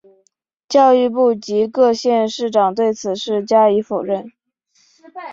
教育部及各县市长对此事加以否认。